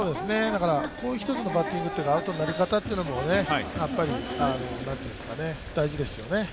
だからこういう一つのバッティング、アウトのなり方というのもやっぱり大事ですよね。